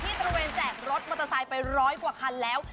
ตระเวนแจกรถมอเตอร์ไซค์ไปร้อยกว่าคันแล้ว